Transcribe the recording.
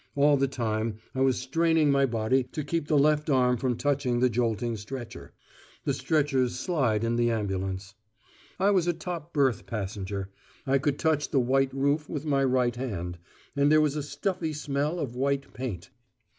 All the time I was straining my body to keep the left arm from touching the jolting stretcher. (The stretchers slide in the ambulance.) I was a top berth passenger; I could touch the white roof with my right hand; and there was a stuffy smell of white paint.